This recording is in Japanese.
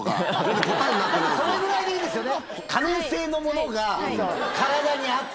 それぐらいでいいですよね。